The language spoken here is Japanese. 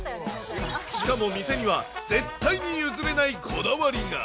しかも店には、絶対に譲れないこだわりが。